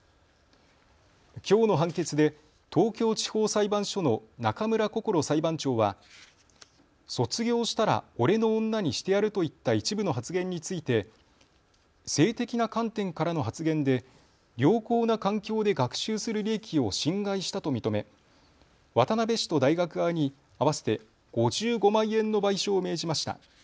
きょうの判決で東京地方裁判所の中村心裁判長は卒業したら俺の女にしてやるといった一部の発言について性的な観点からの発言で良好な環境で学習する利益を侵害したと認め渡部氏と大学側に合わせて５５万円の賠償を命じました。